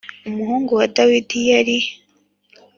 umuhungu wa Dawidi yari a c